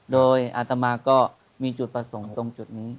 โดยอาตมาก็มีจุดประสงค์ตรงจุดนี้